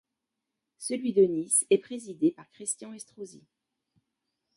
Celui de Nice est présidé par Christian Estrosi.